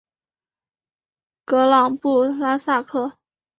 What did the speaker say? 格朗布拉萨克。